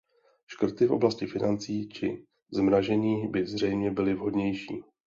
Škrty v oblasti financí či zmražení by zřejmě byly vhodnější.